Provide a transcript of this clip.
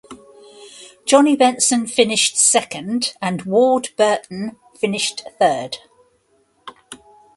Johnny Benson finished second and Ward Burton finished third.